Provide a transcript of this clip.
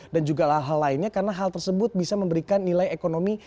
dan juga hal lainnya karena hal tersebut bisa memberikan nilai ekonomi